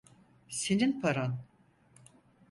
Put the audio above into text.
Senin paran.